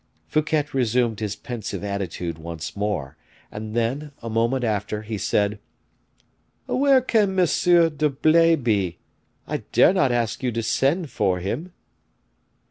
Fouquet resumed his pensive attitude once more, and then, a moment after, he said: "Where can M. d'Herblay be? I dare not ask you to send for him."